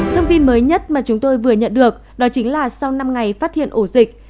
thông tin mới nhất mà chúng tôi vừa nhận được đó chính là sau năm ngày phát hiện ổ dịch